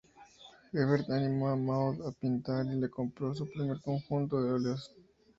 Everett animó a Maud a pintar y le compró su primer conjunto de óleos.